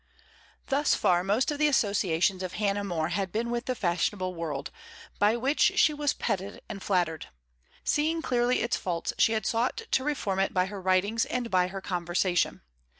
Thus far most of the associations of Hannah More had been with the fashionable world, by which she was petted and flattered. Seeing clearly its faults, she had sought to reform it by her writings and by her conversation.